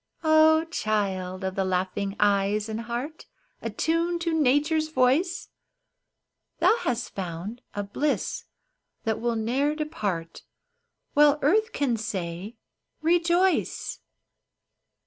Ah, child of the laughing eyes, and heart Attuned to Nature's voice ! Thou hast found a bliss that will ne'er depart While earth can say, " Rejoice